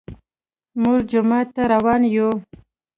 موږ جومات ته روان يو